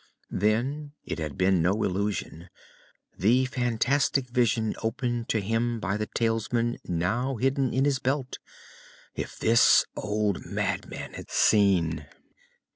Then it had been no illusion, the fantastic vision opened to him by the talisman now hidden in his belt! If this old madman had seen....